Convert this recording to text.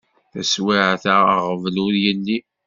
Taswiεt-a aɣbel ur yelli.